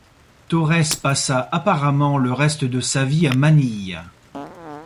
Torres passa apparemment le reste de sa vie à Manille.